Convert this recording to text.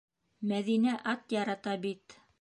Мәҙинә ат ярата бит.